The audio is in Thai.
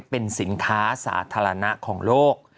เป็นสินค้าสาธารณะของโลก